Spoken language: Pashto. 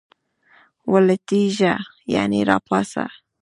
ولټیږه ..یعنی را پاڅه